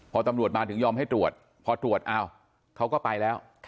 พอตำรวจมาถึงยอมให้ตรวจพอตรวจอ้าวเขาก็ไปแล้ว